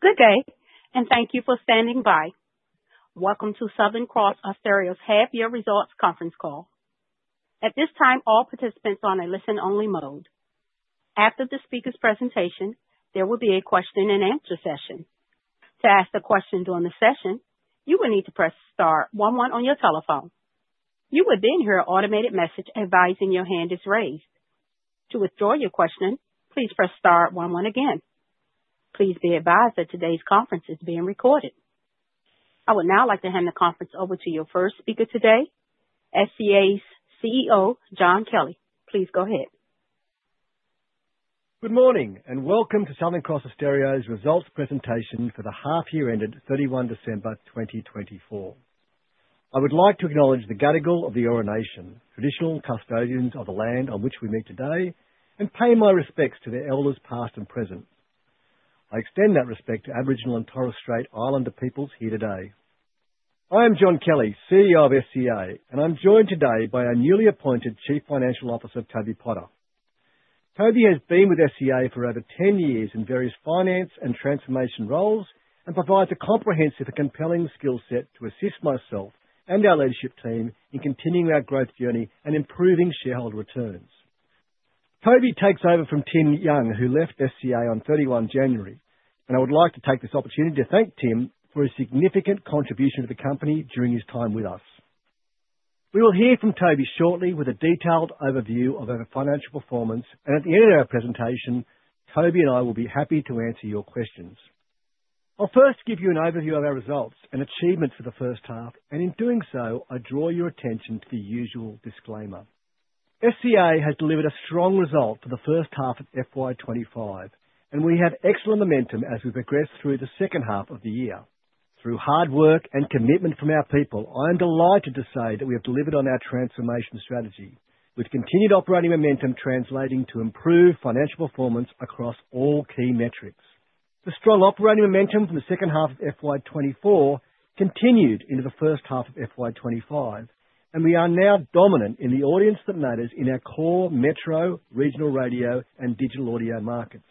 Good day, and thank you for standing by. Welcome to Southern Cross Austereo's half-year results conference call. At this time, all participants are on a listen-only mode. After the speaker's presentation, there will be a question-and-answer session. To ask a question during the session, you will need to press star one one on your telephone. You will then hear an automated message advising your hand is raised. To withdraw your question, please press star one one again. Please be advised that today's conference is being recorded. I would now like to hand the conference over to your first speaker today, SCA's CEO, John Kelly. Please go ahead. Good morning, and welcome to Southern Cross Austereo's results presentation for the half-year ended 31 December 2024. I would like to acknowledge the Gadigal of the Eora Nation, traditional custodians of the land on which we meet today, and pay my respects to their elders past and present. I extend that respect to Aboriginal and Torres Strait Islander peoples here today. I am John Kelly, CEO of SCA, and I'm joined today by our newly appointed Chief Financial Officer, Toby Potter. Toby has been with SCA for over 10 years in various finance and transformation roles and provides a comprehensive and compelling skill set to assist myself and our leadership team in continuing our growth journey and improving shareholder returns. Toby takes over from Tim Young, who left SCA on 31 January, and I would like to take this opportunity to thank Tim for his significant contribution to the company during his time with us. We will hear from Toby shortly with a detailed overview of our financial performance, and at the end of our presentation, Toby and I will be happy to answer your questions. I'll first give you an overview of our results and achievements for the first half, and in doing so, I draw your attention to the usual disclaimer. SCA has delivered a strong result for the first half of FY 2025, and we have excellent momentum as we progress through the second half of the year. Through hard work and commitment from our people, I am delighted to say that we have delivered on our transformation strategy, with continued operating momentum translating to improved financial performance across all key metrics. The strong operating momentum from the second half of FY 2024 continued into the first half of FY 2025, and we are now dominant in the audience that matters in our core metro, regional radio, and digital audio markets.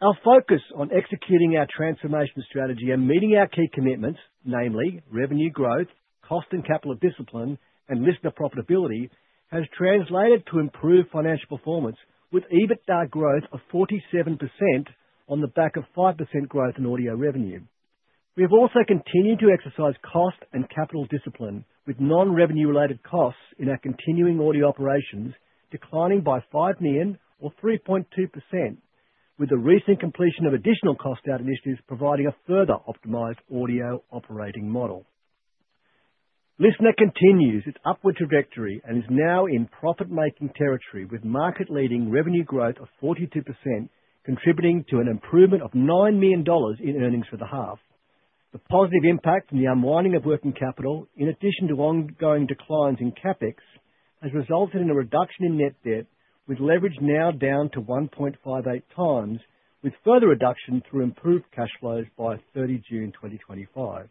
Our focus on executing our transformation strategy and meeting our key commitments, namely revenue growth, cost and capital discipline, and listener profitability, has translated to improved financial performance, with EBITDA growth of 47% on the back of 5% growth in audio revenue. We have also continued to exercise cost and capital discipline with non-revenue-related costs in our continuing audio operations declining by 5 million or 3.2%, with the recent completion of additional cost-out initiatives providing a further optimized audio operating model. LiSTNR continues its upward trajectory and is now in profit-making territory with market-leading revenue growth of 42%, contributing to an improvement of 9 million dollars in earnings for the half. The positive impact from the unwinding of working capital, in addition to ongoing declines in CapEx, has resulted in a reduction in net debt, with leverage now down to 1.58 times, with further reduction through improved cash flows by 30th June 2025.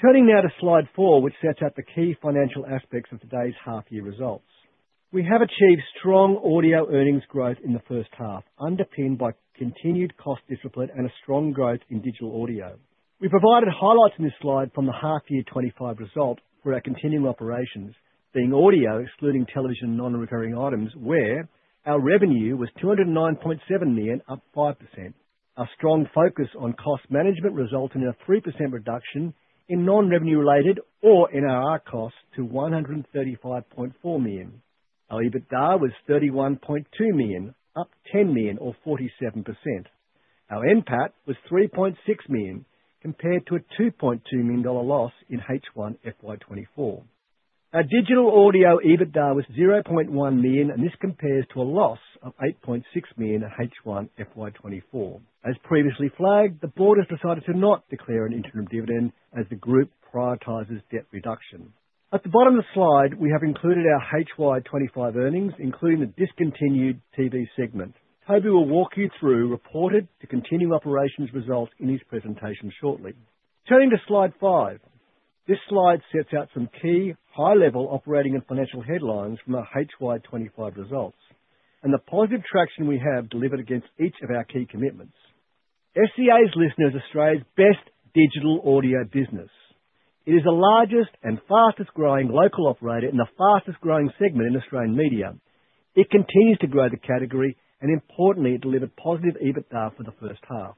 Turning now to Slide 4, which sets out the key financial aspects of today's half-year results. We have achieved strong audio earnings growth in the first half, underpinned by continued cost discipline and a strong growth in digital audio. We provided highlights in this slide from the half-year 2025 result for our continuing operations, being audio, excluding television and non-recurring items, where our revenue was 209.7 million, up 5%. Our strong focus on cost management resulted in a 3% reduction in non-revenue-related or NRR costs to 135.4 million. Our EBITDA was 31.2 million, up 10 million or 47%. Our NPAT was 3.6 million compared to a 2.2 million dollar loss in H1 FY 2024. Our digital audio EBITDA was 0.1 million, and this compares to a loss of 8.6 million in H1 FY 2024. As previously flagged, the board has decided to not declare an interim dividend as the group prioritizes debt reduction. At the bottom of the slide, we have included our HY 2025 earnings, including the discontinued TV segment. Toby will walk you through reported to continuing operations results in his presentation shortly. Turning to Slide 5, this slide sets out some key high-level operating and financial headlines from our HY 2025 results and the positive traction we have delivered against each of our key commitments. SCA's LiSTNR is Australia's best digital audio business. It is the largest and fastest growing local operator in the fastest growing segment in Australian media. It continues to grow the category, and importantly, it delivered positive EBITDA for the first half.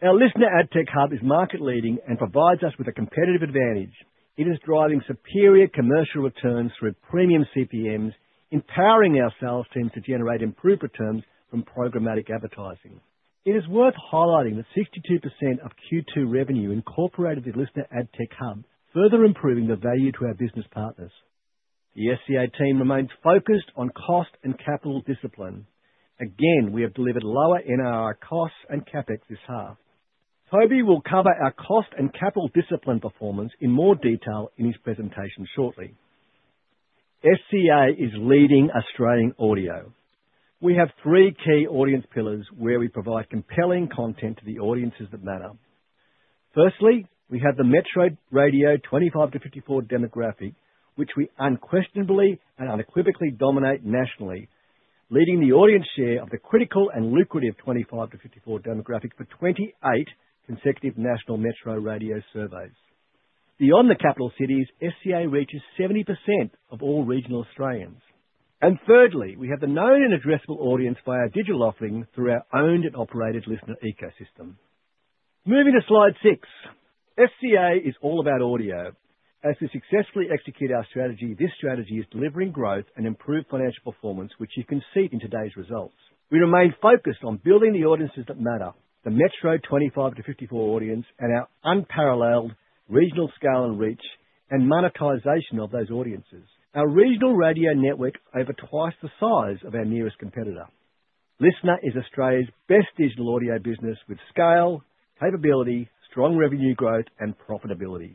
Our LiSTNR AdTech Hub is market-leading and provides us with a competitive advantage. It is driving superior commercial returns through premium CPMs, empowering our sales teams to generate improved returns from programmatic advertising. It is worth highlighting that 62% of Q2 revenue incorporated the LiSTNR AdTech Hub, further improving the value to our business partners. The SCA team remains focused on cost and capital discipline. Again, we have delivered lower NRR costs and CapEx this half. Toby will cover our cost and capital discipline performance in more detail in his presentation shortly. SCA is leading Australian audio. We have three key audience pillars where we provide compelling content to the audiences that matter. Firstly, we have the metro radio 25-54 demographic, which we unquestionably and unequivocally dominate nationally, leading the audience share of the critical and lucrative 25-54 demographic for 28 consecutive national metro radio surveys. Beyond the capital cities, SCA reaches 70% of all regional Australians. Thirdly, we have the known and addressable audience by our digital offering through our owned and operated LiSTNR ecosystem. Moving to Slide 6, SCA is all about audio. As we successfully execute our strategy, this strategy is delivering growth and improved financial performance, which you can see in today's results. We remain focused on building the audiences that matter, the metro 25-54 audience, and our unparalleled regional scale and reach and monetization of those audiences. Our regional radio network is over twice the size of our nearest competitor. LiSTNR is Australia's best digital audio business with scale, capability, strong revenue growth, and profitability.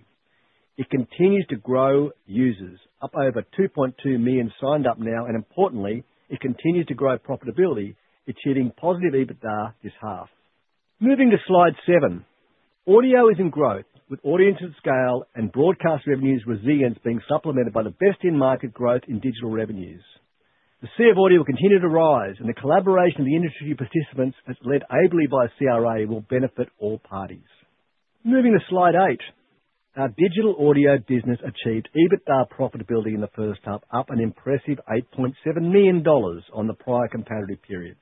It continues to grow users, up over 2.2 million signed up now, and importantly, it continues to grow profitability, achieving positive EBITDA this half. Moving to Slide 7, audio is in growth with audience at scale and broadcast revenues resilience being supplemented by the best in market growth in digital revenues. The Sea of Audio will continue to rise, and the collaboration of the industry participants as led ably by CRA will benefit all parties. Moving to Slide 8, our digital audio business achieved EBITDA profitability in the first half, up an impressive 8.7 million dollars on the prior comparative period.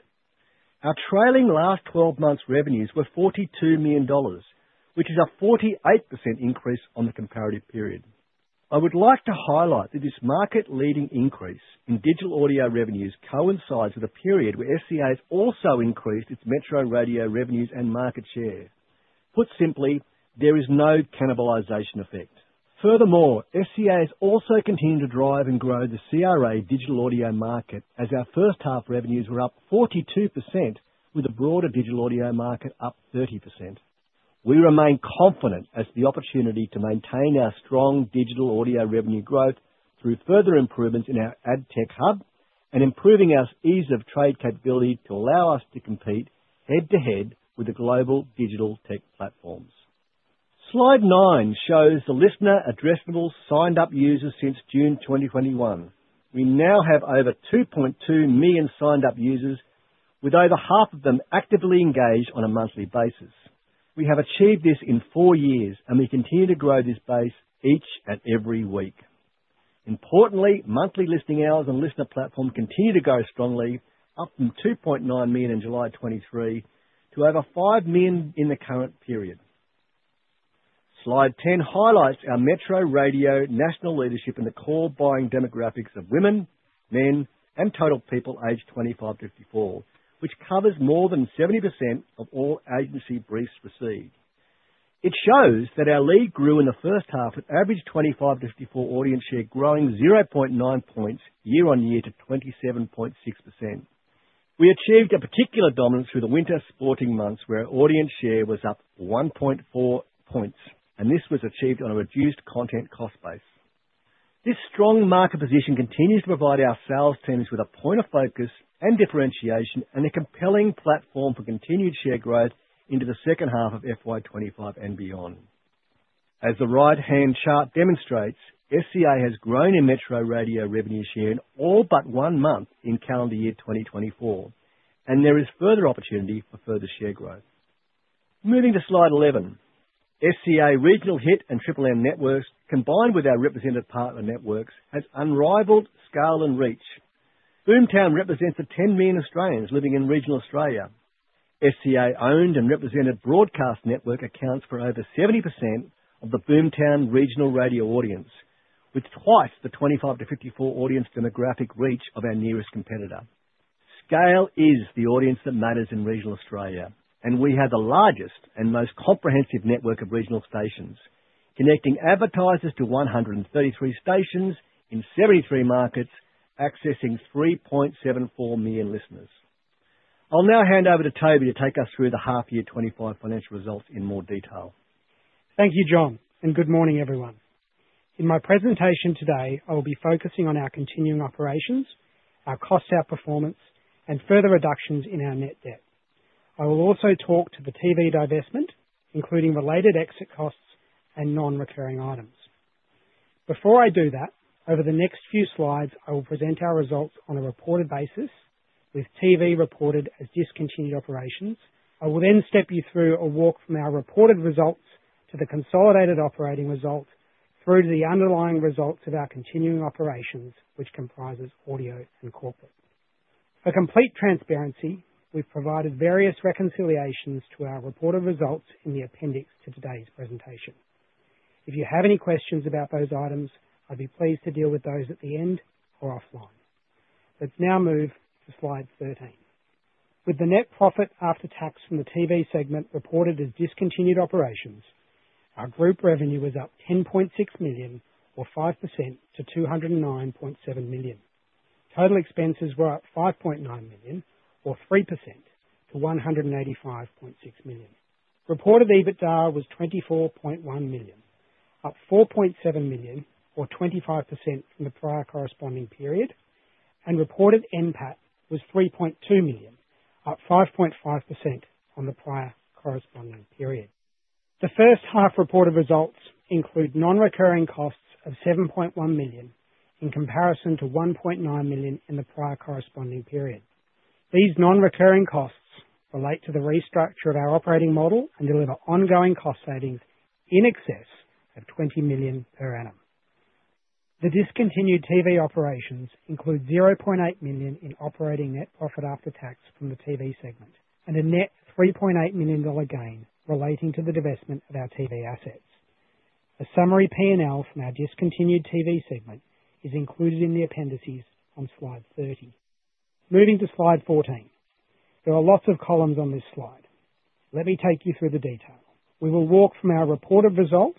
Our trailing last 12 months' revenues were 42 million dollars, which is a 48% increase on the comparative period. I would like to highlight that this market-leading increase in digital audio revenues coincides with a period where SCA has also increased its metro radio revenues and market share. Put simply, there is no cannibalization effect. Furthermore, SCA has also continued to drive and grow the CRA digital audio market as our first half revenues were up 42%, with the broader digital audio market up 30%. We remain confident as to the opportunity to maintain our strong digital audio revenue growth through further improvements in our AdTech Hub and improving our ease of trade capability to allow us to compete head-to-head with the global digital tech platforms. Slide 9 shows the LiSTNR addressable signed up users since June 2021. We now have over 2.2 million signed up users, with over half of them actively engaged on a monthly basis. We have achieved this in four years, and we continue to grow this base each and every week. Importantly, monthly listening hours on the LiSTNR platform continue to grow strongly, up from 2.9 million in July 2023 to over five million in the current period. Slide 10 highlights our metro radio national leadership and the core buying demographics of women, men, and total people aged 25 to 54, which covers more than 70% of all agency briefs received. It shows that our lead grew in the first half with average 25 to 54 audience share growing 0.9 percentage points year-on-year to 27.6%. We achieved a particular dominance through the winter sporting months where our audience share was up 1.4 percentage points, and this was achieved on a reduced content cost base. This strong market position continues to provide our sales teams with a point of focus and differentiation and a compelling platform for continued share growth into the second half of FY 2025 and beyond. As the right-hand chart demonstrates, SCA has grown in metro radio revenue share in all but one month in calendar year 2024, and there is further opportunity for further share growth. Moving to Slide 11, SCA regional Hit and Triple M networks combined with our representative partner networks has unrivaled scale and reach. Boomtown represents the 10 million Australians living in regional Australia. SCA owned and represented broadcast network accounts for over 70% of the Boomtown regional radio audience, with twice the 25-54 audience demographic reach of our nearest competitor. Scale is the audience that matters in regional Australia, and we have the largest and most comprehensive network of regional stations, connecting advertisers to 133 stations in 73 markets, accessing 3.74 million listeners. I'll now hand over to Toby to take us through the half-year 2025 financial results in more detail. Thank you, John, and good morning, everyone. In my presentation today, I will be focusing on our continuing operations, our cost-out performance, and further reductions in our net debt. I will also talk to the TV divestment, including related exit costs and non-recurring items. Before I do that, over the next few slides, I will present our results on a reported basis, with TV reported as discontinued operations. I will then step you through a walk from our reported results to the consolidated operating result through to the underlying results of our continuing operations, which comprises audio and corporate. For complete transparency, we've provided various reconciliations to our reported results in the appendix to today's presentation. If you have any questions about those items, I'd be pleased to deal with those at the end or offline. Let's now move to Slide 13. With the net profit after tax from the TV segment reported as discontinued operations, our group revenue was up 10.6 million or 5% to 209.7 million. Total expenses were up 5.9 million or 3% to 185.6 million. Reported EBITDA was 24.1 million, up 4.7 million or 25% from the prior corresponding period, and reported NPAT was 3.2 million, up 5.5% from the prior corresponding period. The first half reported results include non-recurring costs of 7.1 million in comparison to 1.9 million in the prior corresponding period. These non-recurring costs relate to the restructure of our operating model and deliver ongoing cost savings in excess of 20 million per annum. The discontinued TV operations include 0.8 million in operating net profit after tax from the TV segment and a net 3.8 million dollar gain relating to the divestment of our TV assets. A summary P&L from our discontinued TV segment is included in the appendices on Slide 30. Moving to Slide 14, there are lots of columns on this slide. Let me take you through the detail. We will walk from our reported result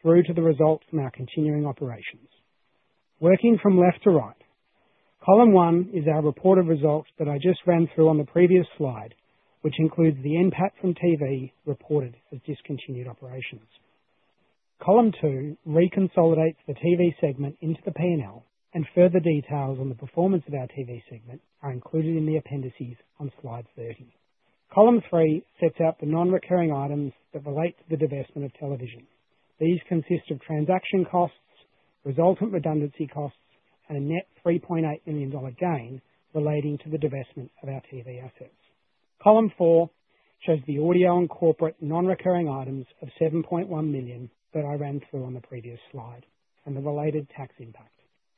through to the result from our continuing operations. Working from left to right, column one is our reported result that I just ran through on the previous slide, which includes the NPAT from TV reported as discontinued operations. Column two reconsolidates the TV segment into the P&L, and further details on the performance of our TV segment are included in the appendices on Slide 30. Column three sets out the non-recurring items that relate to the divestment of television. These consist of transaction costs, resultant redundancy costs, and a net 3.8 million dollar gain relating to the divestment of our TV assets. Column four shows the audio and corporate non-recurring items of 7.1 million that I ran through on the previous slide and the related tax impact.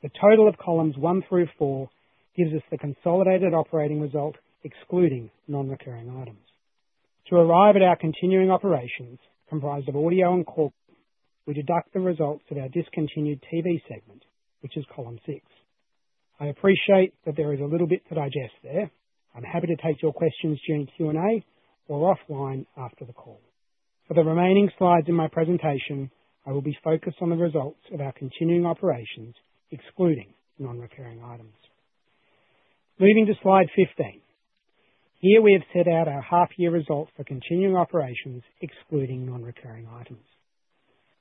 The total of columns one through four gives us the consolidated operating result excluding non-recurring items. To arrive at our continuing operations comprised of audio and corporate, we deduct the results of our discontinued TV segment, which is column six. I appreciate that there is a little bit to digest there. I'm happy to take your questions during Q&A or offline after the call. For the remaining slides in my presentation, I will be focused on the results of our continuing operations excluding non-recurring items. Moving to Slide 15, here we have set out our half-year result for continuing operations excluding non-recurring items.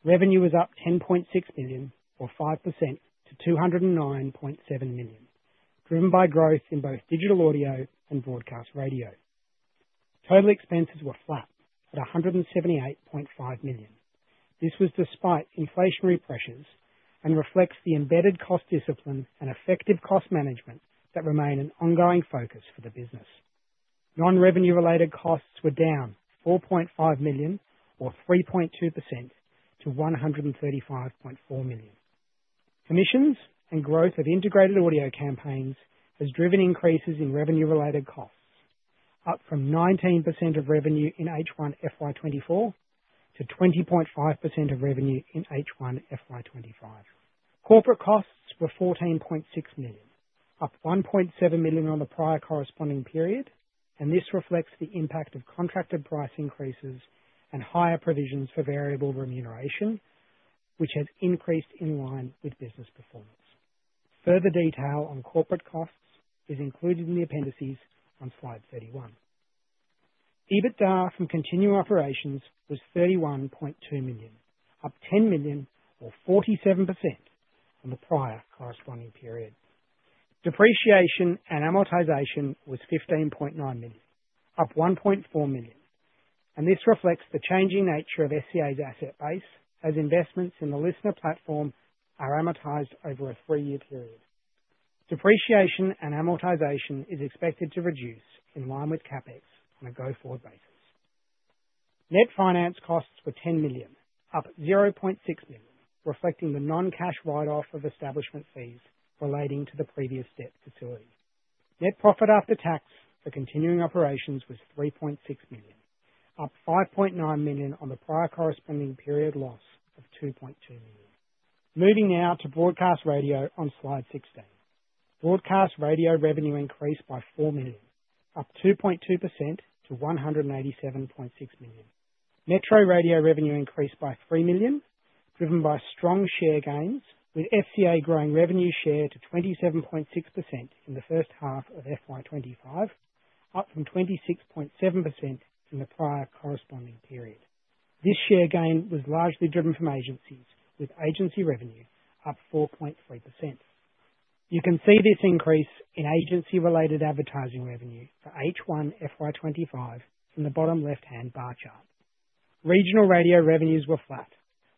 Revenue was up 10.6 million or 5% to 209.7 million, driven by growth in both digital audio and broadcast radio. Total expenses were flat at 178.5 million. This was despite inflationary pressures and reflects the embedded cost discipline and effective cost management that remain an ongoing focus for the business. Non-revenue-related costs were down 4.5 million or 3.2% to 135.4 million. Commissions and growth of integrated audio campaigns has driven increases in revenue-related costs, up from 19% of revenue in H1 FY 2024 to 20.5% of revenue in H1 FY 2025. Corporate costs were 14.6 million, up 1.7 million on the prior corresponding period, and this reflects the impact of contracted price increases and higher provisions for variable remuneration, which has increased in line with business performance. Further detail on corporate costs is included in the appendices on Slide 31. EBITDA from continuing operations was 31.2 million, up 10 million or 47% from the prior corresponding period. Depreciation and amortization was 15.9 million, up 1.4 million, and this reflects the changing nature of SCA's asset base as investments in the LiSTNR platform are amortized over a three-year period. Depreciation and amortization is expected to reduce in line with CapEx on a go-forward basis. Net finance costs were 10 million, up 0.6 million, reflecting the non-cash write-off of establishment fees relating to the previous debt facility. Net profit after tax for continuing operations was 3.6 million, up 5.9 million on the prior corresponding period loss of 2.2 million. Moving now to broadcast radio on Slide 16. Broadcast radio revenue increased by 4 million, up 2.2% to 187.6 million. Metro radio revenue increased by 3 million, driven by strong share gains, with SCA growing revenue share to 27.6% in the first half of FY 2025, up from 26.7% in the prior corresponding period. This share gain was largely driven from agencies, with agency revenue up 4.3%. You can see this increase in agency-related advertising revenue for H1 FY 2025 from the bottom left-hand bar chart. Regional radio revenues were flat,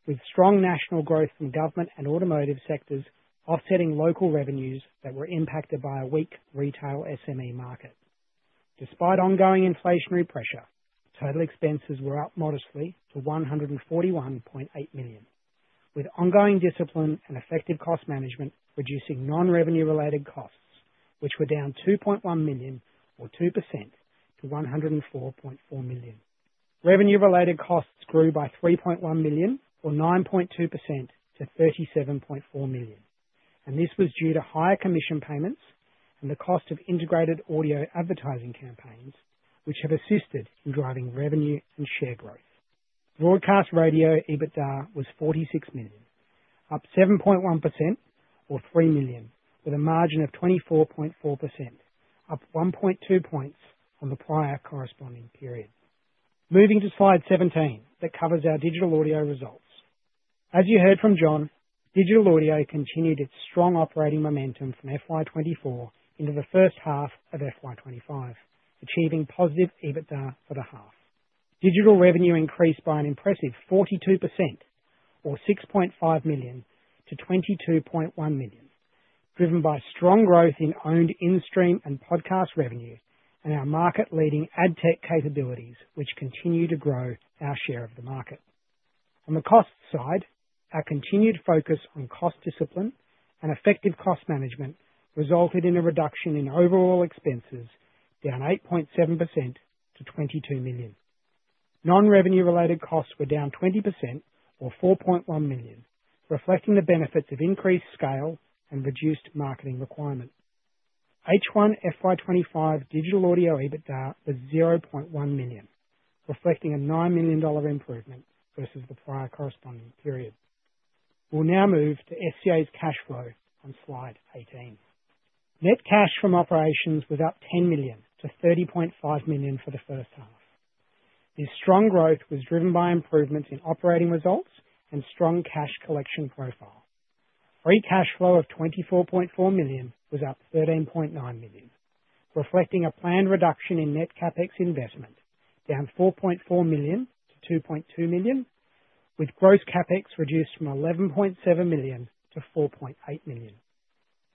with strong national growth from government and automotive sectors offsetting local revenues that were impacted by a weak retail SME market. Despite ongoing inflationary pressure, total expenses were up modestly to 141.8 million, with ongoing discipline and effective cost management reducing non-revenue-related costs, which were down 2.1 million or 2% to 104.4 million. Revenue-related costs grew by 3.1 million or 9.2% to 37.4 million, and this was due to higher commission payments and the cost of integrated audio advertising campaigns, which have assisted in driving revenue and share growth. Broadcast radio EBITDA was 46 million, up 7.1% or 3 million, with a margin of 24.4%, up 1.2 percentage points from the prior corresponding period. Moving to Slide 17 that covers our digital audio results. As you heard from John, digital audio continued its strong operating momentum from FY 2024 into the first half of FY 2025, achieving positive EBITDA for the half. Digital revenue increased by an impressive 42% or 6.5 million to 22.1 million, driven by strong growth in owned in-stream and podcast revenue and our market-leading ad tech capabilities, which continue to grow our share of the market. On the cost side, our continued focus on cost discipline and effective cost management resulted in a reduction in overall expenses, down 8.7% to 22 million. Non-revenue-related costs were down 20% or 4.1 million, reflecting the benefits of increased scale and reduced marketing requirement. H1 FY 2025 digital audio EBITDA was 0.1 million, reflecting a 9 million dollar improvement versus the prior corresponding period. We'll now move to SCA's cash flow on Slide 18. Net cash from operations was up 10 million to 30.5 million for the first half. This strong growth was driven by improvements in operating results and strong cash collection profile. Free cash flow of AUD 24.4 million was up AUD 13.9 million, reflecting a planned reduction in net CapEx investment, down AUD 4.4 million to AUD 2.2 million, with gross CapEx reduced from AUD 11.7 million to AUD 4.8 million.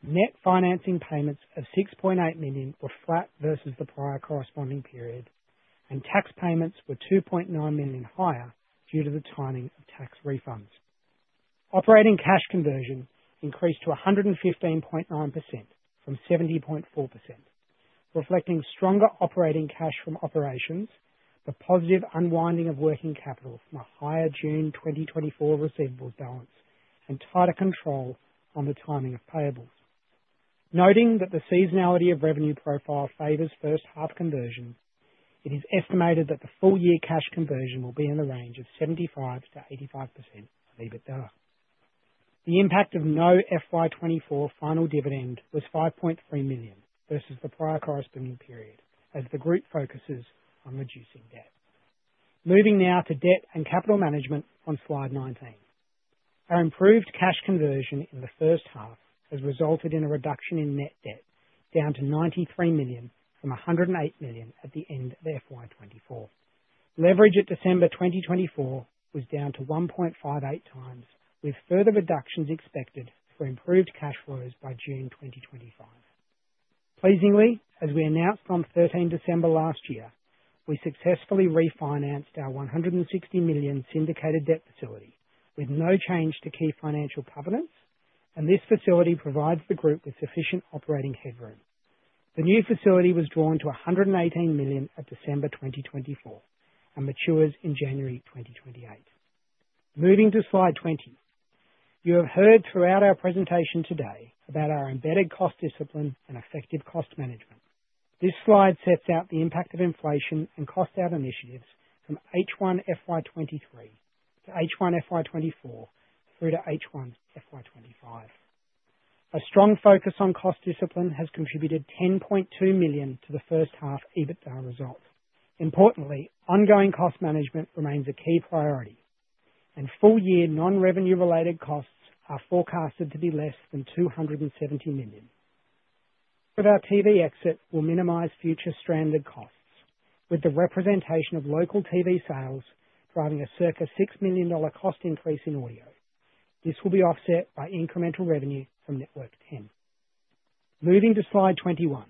Net financing payments of AUD 6.8 million were flat versus the prior corresponding period, and tax payments were AUD 2.9 million higher due to the timing of tax refunds. Operating cash conversion increased to 115.9% from 70.4%, reflecting stronger operating cash from operations, the positive unwinding of working capital from a higher June 2024 receivables balance, and tighter control on the timing of payables. Noting that the seasonality of revenue profile favors first half conversion, it is estimated that the full-year cash conversion will be in the range of 75% to 85% of EBITDA. The impact of no FY 2024 final dividend was 5.3 million versus the prior corresponding period, as the group focuses on reducing debt. Moving now to debt and capital management on Slide 19. Our improved cash conversion in the first half has resulted in a reduction in net debt down to 93 million from 108 million at the end of FY 2024. Leverage at December 2024 was down to 1.58 times, with further reductions expected for improved cash flows by June 2025. Pleasingly, as we announced on 13 December last year, we successfully refinanced our 160 million syndicated debt facility with no change to key financial covenants, and this facility provides the group with sufficient operating headroom. The new facility was drawn to AUD 118 million at December 2024 and matures in January 2028. Moving to Slide 20. You have heard throughout our presentation today about our embedded cost discipline and effective cost management. This slide sets out the impact of inflation and cost out initiatives from H1 FY 2023 to H1 FY 2024 through to H1 FY 2025. A strong focus on cost discipline has contributed 10.2 million to the first half EBITDA result. Importantly, ongoing cost management remains a key priority, and full-year non-revenue-related costs are forecasted to be less than 270 million. With our TV exit, we'll minimize future stranded costs, with the representation of local TV sales driving a circa 6 million dollar cost increase in audio. This will be offset by incremental revenue from Network 10. Moving to Slide 21.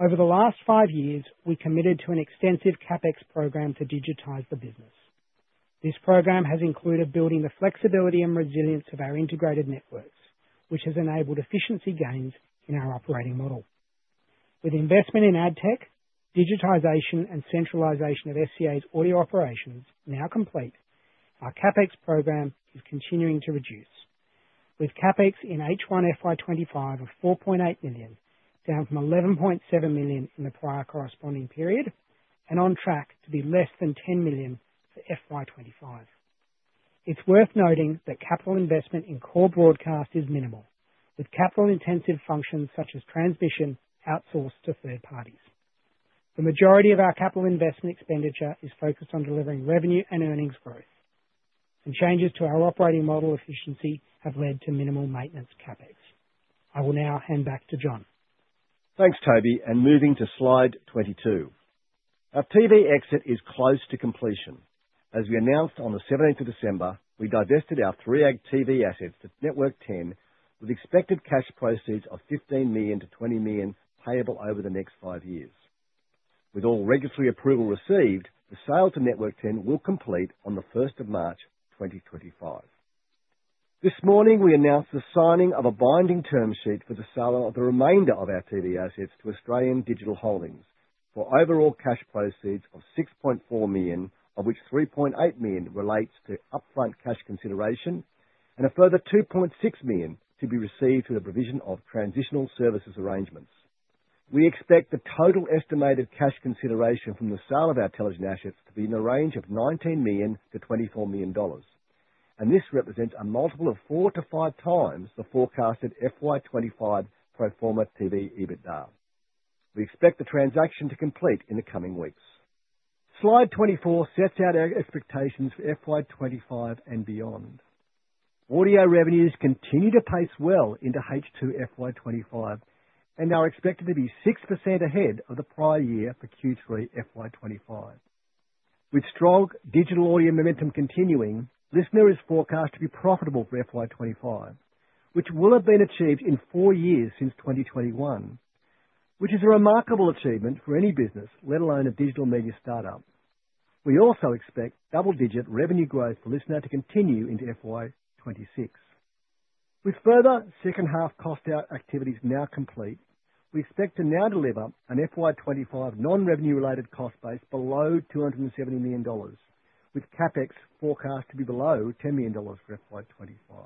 Over the last five years, we committed to an extensive CapEx program to digitize the business. This program has included building the flexibility and resilience of our integrated networks, which has enabled efficiency gains in our operating model. With investment in ad tech, digitization, and centralization of SCA's audio operations now complete, our CapEx program is continuing to reduce, with CapEx in H1 FY 2025 of 4.8 million down from 11.7 million in the prior corresponding period and on track to be less than 10 million for FY 2025. It's worth noting that capital investment in core broadcast is minimal, with capital-intensive functions such as transmission outsourced to third parties. The majority of our capital investment expenditure is focused on delivering revenue and earnings growth, and changes to our operating model efficiency have led to minimal maintenance CapEx. I will now hand back to John. Thanks, Toby, and moving to Slide 22. Our TV exit is close to completion. As we announced on the 17th of December, we divested our three ACT TV assets to Network 10, with expected cash proceeds of 15 million-20 million payable over the next five years. With all regulatory approval received, the sale to Network 10 will complete on the 1st of March 2025. This morning, we announced the signing of a binding term sheet for the sale of the remainder of our TV assets to Australian Digital Holdings for overall cash proceeds of 6.4 million, of which 3.8 million relates to upfront cash consideration and a further 2.6 million to be received through the provision of transitional services arrangements. We expect the total estimated cash consideration from the sale of our television assets to be in the range of 19 million-24 million dollars, and this represents a multiple of four to five times the forecasted FY 2025 pro forma TV EBITDA. We expect the transaction to complete in the coming weeks. Slide 24 sets out our expectations for FY 2025 and beyond. Audio revenues continue to pace well into H2 FY 2025 and are expected to be 6% ahead of the prior year for Q3 FY 2025. With strong digital audio momentum continuing, LiSTNR is forecast to be profitable for FY 2025, which will have been achieved in four years since 2021, which is a remarkable achievement for any business, let alone a digital media startup. We also expect double-digit revenue growth for LiSTNR to continue into FY26. With further second half cost out activities now complete, we expect to now deliver an FY 2025 non-revenue-related cost base below 270 million dollars, with CapEx forecast to be below 10 million dollars for FY 2025.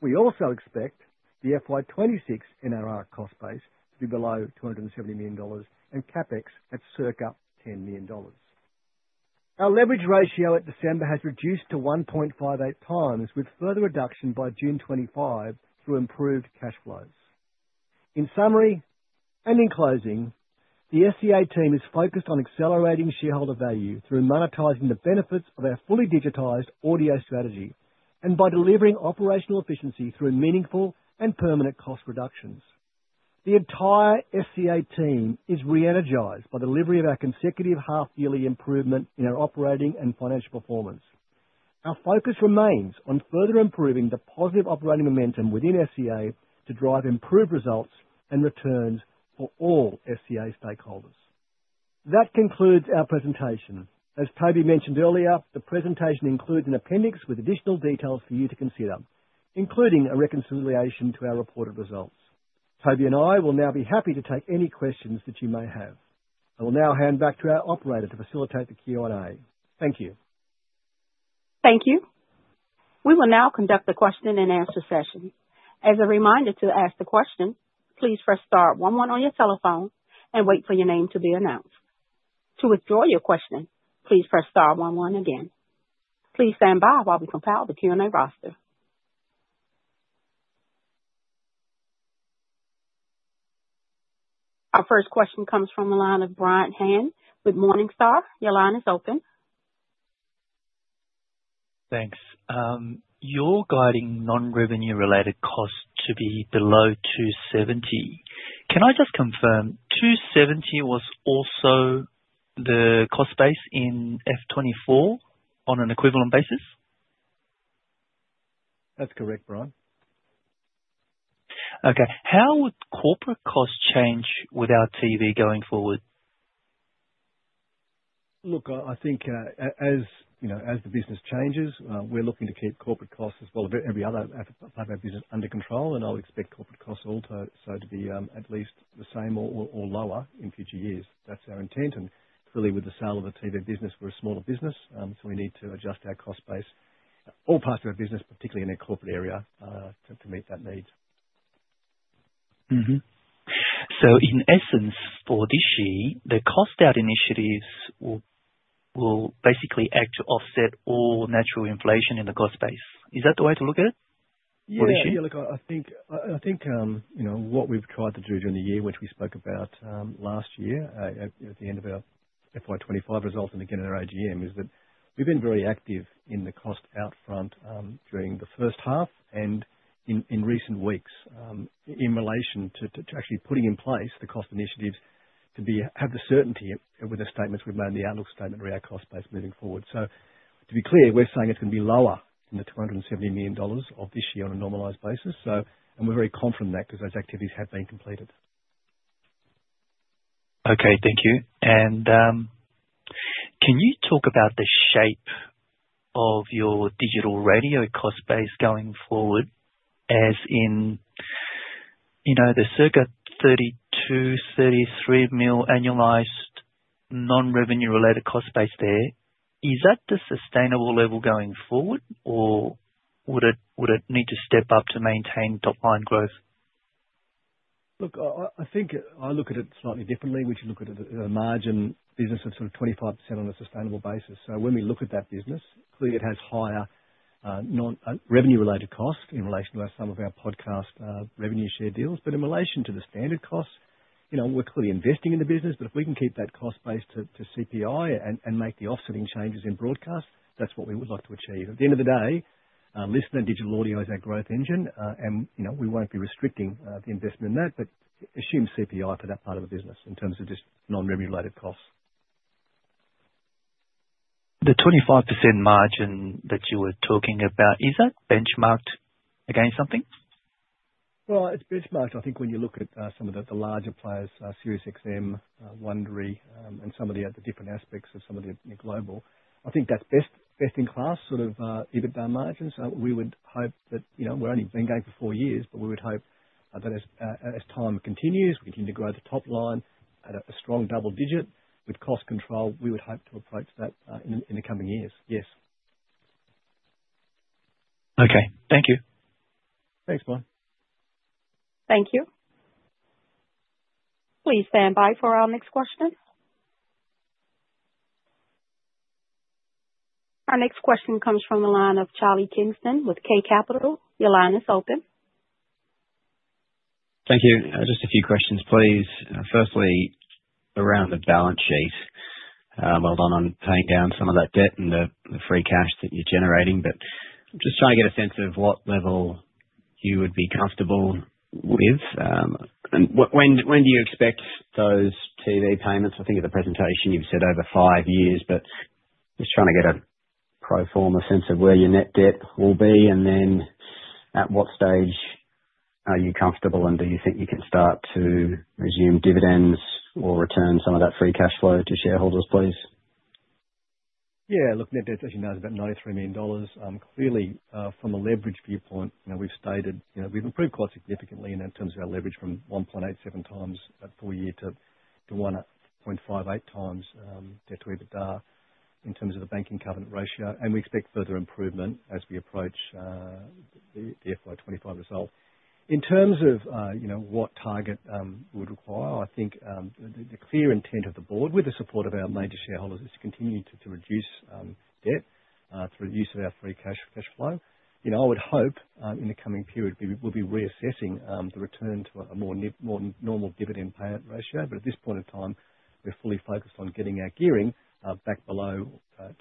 We also expect the FY26 NRR cost base to be below 270 million dollars and CapEx at circa 10 million dollars. Our leverage ratio at December has reduced to 1.58 times, with further reduction by June 2025 through improved cash flows. In summary and in closing, the SCA team is focused on accelerating shareholder value through monetizing the benefits of our fully digitized audio strategy and by delivering operational efficiency through meaningful and permanent cost reductions. The entire SCA team is re-energized by the delivery of our consecutive half-yearly improvement in our operating and financial performance. Our focus remains on further improving the positive operating momentum within SCA to drive improved results and returns for all SCA stakeholders. That concludes our presentation. As Toby mentioned earlier, the presentation includes an appendix with additional details for you to consider, including a reconciliation to our reported results. Toby and I will now be happy to take any questions that you may have. I will now hand back to our operator to facilitate the Q&A. Thank you. Thank you. We will now conduct the question and answer session. As a reminder to ask the question, please press star one one on your telephone and wait for your name to be announced. To withdraw your question, please press star one one again. Please stand by while we compile the Q&A roster. Our first question comes from the line of Brian Han with Morningstar. Your line is open. Thanks. Your guiding non-revenue-related cost to be below 270. Can I just confirm 270 was also the cost base in FY 2024 on an equivalent basis? That's correct, Brian. Okay. How would corporate cost change with our TV going forward? Look, I think as the business changes, we're looking to keep corporate costs as well as every other part of our business under control, and I would expect corporate costs also to be at least the same or lower in future years. That's our intent. Clearly, with the sale of the TV business, we're a smaller business, so we need to adjust our cost base, all parts of our business, particularly in the corporate area, to meet that need. In essence, for this year, the cost out initiatives will basically act to offset all natural inflation in the cost base. Is that the way to look at it? Yeah. Look, I think what we've tried to do during the year, which we spoke about last year at the end of our FY 2025 results and again in our AGM, is that we've been very active in the cost out front during the first half and in recent weeks in relation to actually putting in place the cost initiatives to have the certainty with the statements we've made in the outlook statement around cost base moving forward. To be clear, we're saying it's going to be lower than the 270 million dollars of this year on a normalized basis. We're very confident in that because those activities have been completed. Thank you. Can you talk about the shape of your digital radio cost base going forward, as in the circa AUD 32 million, 33 million annualized non-revenue-related cost base there? Is that the sustainable level going forward, or would it need to step up to maintain top-line growth? Look, I look at it slightly differently. We should look at a margin business of sort of 25% on a sustainable basis. When we look at that business, clearly, it has higher non-revenue-related cost in relation to some of our podcast revenue share deals. In relation to the standard cost, we're clearly investing in the business. If we can keep that cost base to CPI and make the offsetting changes in broadcast, that's what we would like to achieve. At the end of the day, LiSTNR digital audio is our growth engine, and we won't be restricting the investment in that, but assume CPI for that part of the business in terms of just non-revenue-related costs. The 25% margin that you were talking about, is that benchmarked against something? It's benchmarked, I think, when you look at some of the larger players, SiriusXM, Wondery, and some of the different aspects of some of the global. I think that's best in class sort of EBITDA margins. We would hope that we've only been going for four years, but we would hope that as time continues, we continue to grow the top line at a strong double digit with cost control. We would hope to approach that in the coming years. Yes. Okay. Thank you. Thanks, Brian. Thank you. Please stand by for our next question. Our next question comes from the line of Charlie Kingston with King Capital. Your line is open. Thank you. Just a few questions, please. Firstly, around the balance sheet, on paying down some of that debt and the free cash that you're generating, but I'm just trying to get a sense of what level you would be comfortable with. When do you expect those TV payments? I think at the presentation, you've said over five years, but just trying to get a pro forma sense of where your net debt will be. At what stage are you comfortable, and do you think you can start to resume dividends or return some of that free cash flow to shareholders, please? Yeah. Look, net debt as you know is about AUD 93 million. Clearly, from a leverage viewpoint, we've stated we've improved quite significantly in terms of our leverage from 1.87 times for a year to 1.58 times debt to EBITDA in terms of the banking covenant ratio. We expect further improvement as we approach the FY 2025 result. In terms of what target we would require, I think the clear intent of the board, with the support of our major shareholders, is to continue to reduce debt through the use of our free cash flow. I would hope in the coming period we'll be reassessing the return to a more normal dividend payment ratio. At this point in time, we're fully focused on getting our gearing back below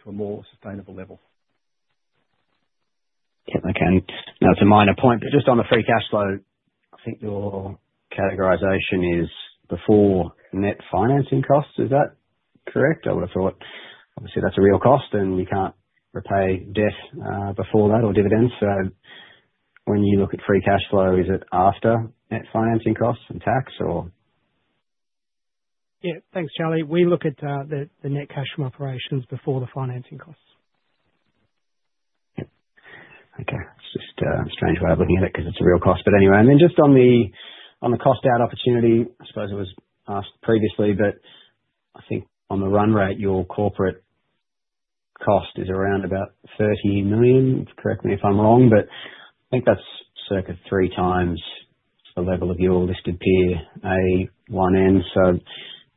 to a more sustainable level. Okay. Now, it's a minor point, but just on the free cash flow, I think your categorization is before net financing costs. Is that correct? I would have thought, obviously, that's a real cost, and you can't repay debt before that or dividends. When you look at free cash flow, is it after net financing costs and tax, or? Yeah. Thanks, Charlie. We look at the net cash from operations before the financing costs. Okay. It's just a strange way of looking at it because it's a real cost. Anyway, and then just on the cost out opportunity, I suppose it was asked previously, but I think on the run rate, your corporate cost is around about 30 million. Correct me if I'm wrong, but I think that's circa three times the level of your listed peer ARN.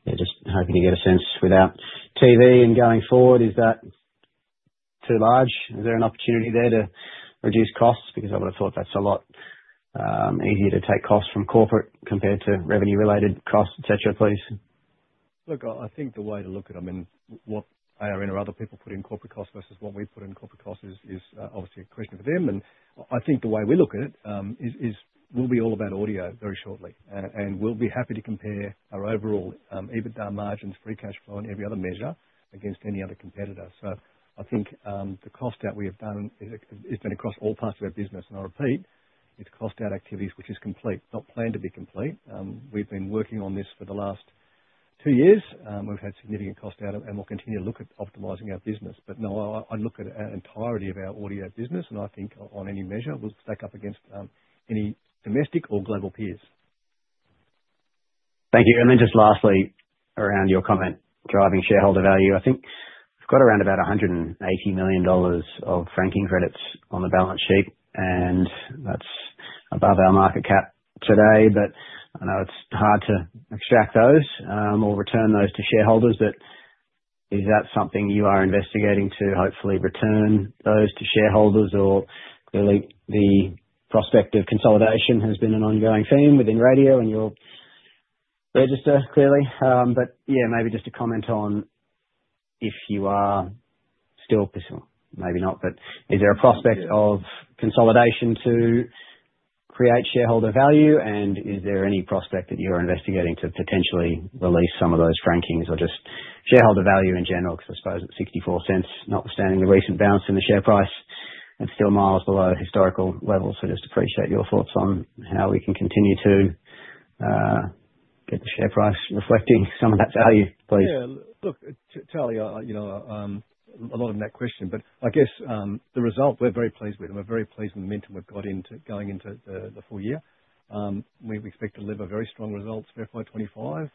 Just hoping to get a sense without TV and going forward. Is that too large? Is there an opportunity there to reduce costs? Because I would have thought that's a lot easier to take costs from corporate compared to revenue-related costs, etc., please. Look, I think the way to look at it, I mean, what ARN or other people put in corporate costs versus what we put in corporate costs is obviously a question for them. I think the way we look at it will be all about audio very shortly. We'll be happy to compare our overall EBITDA margins, free cash flow, and every other measure against any other competitor. I think the cost out we have done has been across all parts of our business. I repeat, it's cost out activities, which is complete, not planned to be complete. We've been working on this for the last two years. We've had significant cost out, and we'll continue to look at optimizing our business. No, I look at the entirety of our audio business, and I think on any measure, we'll stack up against any domestic or global peers. Thank you. Lastly, around your comment, driving shareholder value, I think we've got around about 180 million dollars of franking credits on the balance sheet, and that's above our market cap today. I know it's hard to extract those or return those to shareholders. Is that something you are investigating to hopefully return those to shareholders? Clearly, the prospect of consolidation has been an ongoing theme within radio and your register, clearly. Maybe just a comment on if you are still—maybe not, but is there a prospect of consolidation to create shareholder value? Is there any prospect that you're investigating to potentially release some of those franking credits or just shareholder value in general? Because I suppose at 0.64, notwithstanding the recent bounce in the share price, it's still miles below historical levels. Just appreciate your thoughts on how we can continue to get the share price reflecting some of that value, please. Yeah. Look, Charlie, a lot of net questions. I guess the result, we're very pleased with it. We're very pleased with the momentum we've got going into the full year. We expect to deliver very strong results for FY 2025.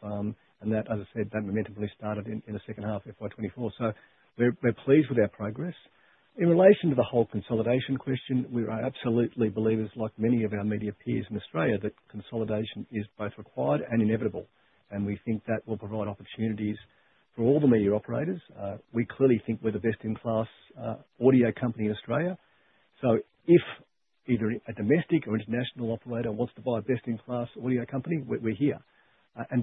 As I said, that momentum really started in the second half of FY 2024. We're pleased with our progress. In relation to the whole consolidation question, we are absolutely believers, like many of our media peers in Australia, that consolidation is both required and inevitable. We think that will provide opportunities for all the media operators. We clearly think we're the best-in-class audio company in Australia. If either a domestic or international operator wants to buy a best-in-class audio company, we're here.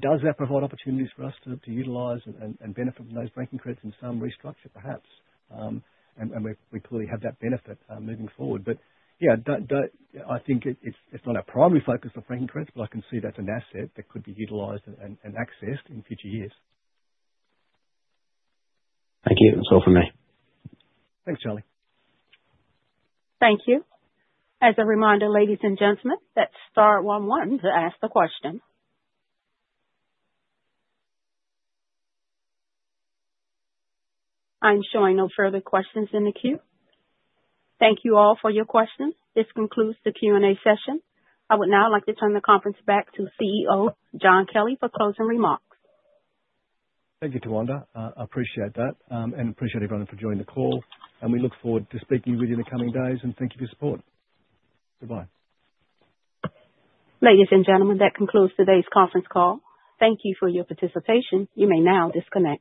Does that provide opportunities for us to utilize and benefit from those franking credits and some restructure, perhaps? We clearly have that benefit moving forward. Yeah, I think it's not our primary focus for franking credits, but I can see that's an asset that could be utilized and accessed in future years. Thank you. That's all from me. Thanks, Charlie. Thank you. As a reminder, ladies and gentlemen, that's star one one to ask the question. I'm showing no further questions in the queue. Thank you all for your questions. This concludes the Q&A session. I would now like to turn the conference back to CEO John Kelly for closing remarks. Thank you, Tawanda. I appreciate that and appreciate everyone for joining the call. We look forward to speaking with you in the coming days, and thank you for your support. Goodbye. Ladies and gentlemen, that concludes today's conference call. Thank you for your participation. You may now disconnect.